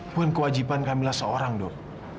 buat kewajiban kamilah seorang dong